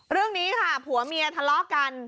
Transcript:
เรื่องนี้ค่ะผัวเมียทะเลาะกัน